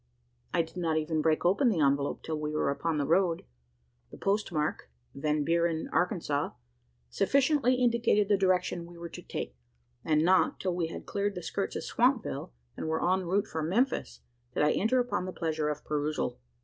I did not even break open the envelope till we were upon the road. The post mark, "Van Buren, Arkansas," sufficiently indicated the direction we were to take; and not, till we had cleared the skirts of Swampville, and were en route for Memphis, did I enter on the pleasure of perusal.